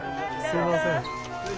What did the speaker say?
すいません。